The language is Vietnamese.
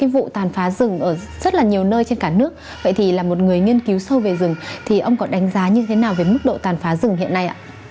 vậy thì là một người nghiên cứu sâu về rừng thì ông có đánh giá như thế nào về mức độ tàn phá rừng hiện nay ạ